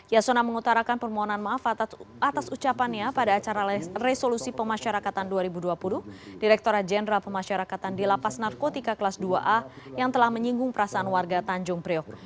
yasona mengutarakan permohonan maaf atas ucapannya pada acara resolusi pemasyarakatan dua ribu dua puluh direkturat jenderal pemasyarakatan di lapas narkotika kelas dua a yang telah menyinggung perasaan warga tanjung priok